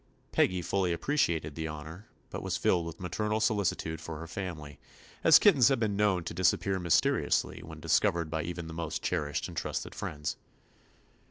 Peggy fully appre ciated the honor, but was filled with maternal solicitude for her family, as kittens have been known to disap pear mysteriously when discovered by even the most cherished and trusted friends.